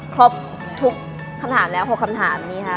ครบทุกคำถามแล้ว๖คำถามนี้ค่ะ